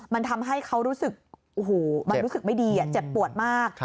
มันทำให้เขารู้สึกไม่ดีเจ็บปวดมาก